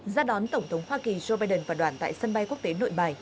ra đón tổng thống hoa kỳ joe biden và đoàn tại sân bay quốc tế nội bài